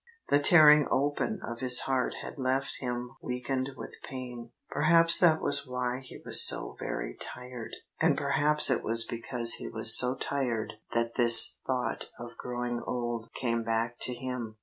The tearing open of his heart had left him weakened with pain. Perhaps that was why he was so very tired, and perhaps it was because he was so tired that this thought of growing old came back to him.